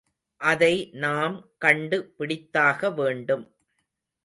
அதை நாம் கண்டு பிடித்தாக வேண்டும்.